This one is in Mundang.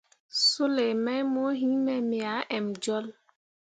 Sulei mai mo yinme, me ah emjolle.